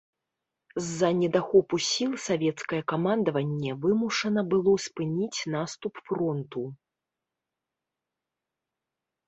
З-за недахопу сіл савецкае камандаванне вымушана было спыніць наступ фронту.